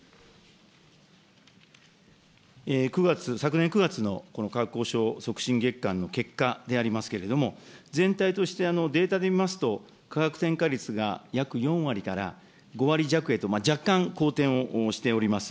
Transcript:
９月、昨年９月のこの価格交渉促進月間の結果でありますけれども、全体としてデータで見ますと、価格転嫁率が、約４割から５割弱へと、若干好転をしております。